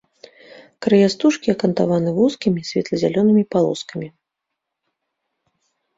Края стужкі акантаваны вузкімі светла-зялёнымі палоскамі.